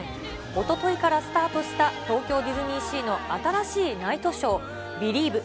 おとといからスタートした東京ディズニーシーの新しいナイトショー、ビリーヴ！